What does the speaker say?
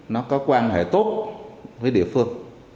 nó có quan hệ tốt với địa phương